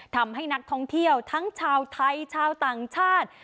ทำให้นักท่องเที่ยวทั้งชาวไทยชาวต่างชาติ